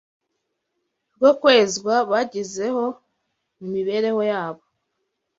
rwo kwezwa bagezeho mu mibereho yabo